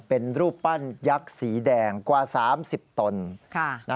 เป็นรูปปั้นยักษ์สีแดงกว่า๓๐ตน